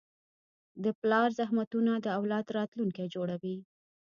د پلار زحمتونه د اولاد راتلونکی جوړوي.